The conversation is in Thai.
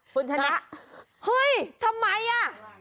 คุณชนะเฮ้ยทำไมอ่ะ